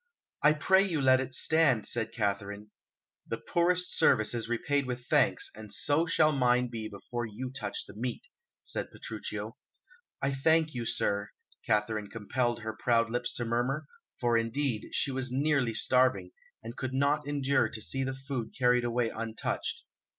"I pray you let it stand," said Katharine. "The poorest service is repaid with thanks, and so shall mine be before you touch the meat," said Petruchio. "I thank you, sir," Katharine compelled her proud lips to murmur, for, indeed, she was nearly starving, and could not endure to see the food carried away untouched.